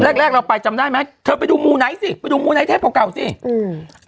แรกแรกเราไปจำได้ไหมเธอไปดูมูไนท์สิไปดูมูไนทเทปเก่าเก่าสิอืม